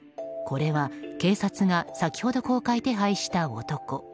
これは警察が先ほど公開手配した男。